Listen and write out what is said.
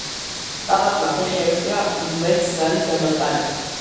ბაყაყმა ფეხი აიშვირა მეც ნალი დამაკარით